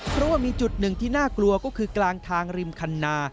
เพราะว่ามีจุดหนึ่งที่น่ากลัวก็คือกลางทางริมคันนา